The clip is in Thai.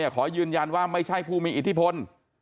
ขอยืนยันว่าไม่ใช่ผู้มีอิทธิพล